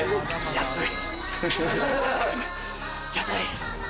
安い。